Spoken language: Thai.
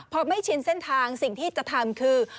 พอไม่ชินเส้นทางสิ่งที่จะทำคือ